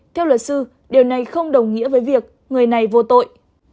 theo luật sư điều này không đồng nghĩa với việc người này vô tội